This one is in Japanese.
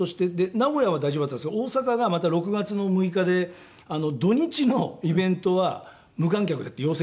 名古屋は大丈夫だったんですけど大阪がまた６月の６日で「土日のイベントは無観客で」って要請が出ちゃったんですよ。